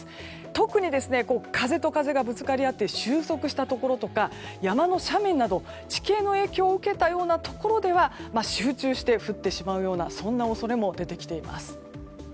特に、風と風がぶつかり合って集束したところとか山の斜面など地形の影響を受けたようなところでは集中して降ってしまうようなそんな恐れも出てきています。